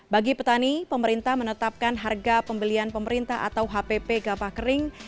bagi petani pemerintah menetapkan harga pembelian pemerintah atau hpp gabah kering